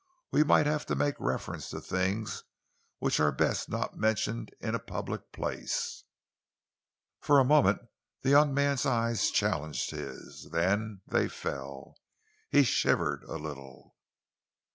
We might have to make reference to things which are best not mentioned in a public place." For a moment the young man's eyes challenged his. Then they fell. He shivered a little.